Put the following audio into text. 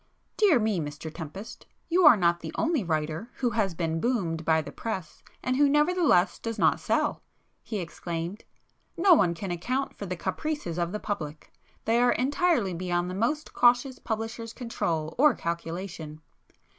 "Dear me, Mr Tempest, you are not the only writer who has been 'boomed' by the press and who nevertheless does not sell,"—he exclaimed—"No one can account for the caprices of the public; they are entirely beyond the most cautious publisher's control or calculation.